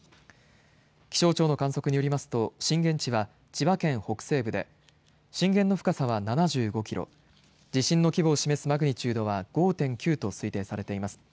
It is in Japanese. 気象庁の観測によりますと震源地は千葉県北西部で震源の深さは７５キロ地震の規模を示すマグニチュードは５．９と推定されています。